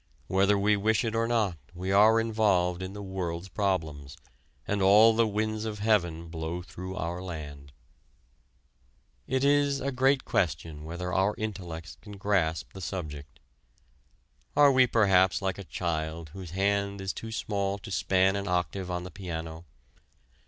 Whether we wish it or not we are involved in the world's problems, and all the winds of heaven blow through our land. It is a great question whether our intellects can grasp the subject. Are we perhaps like a child whose hand is too small to span an octave on the piano?